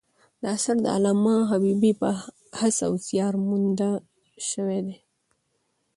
دا اثر د علامه حبیبي په هڅه او زیار مونده سوی دﺉ.